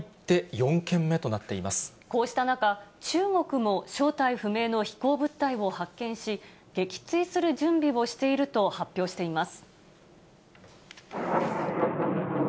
中国も正体不明の飛行物体を発見し、撃墜する準備をしていると発表しています。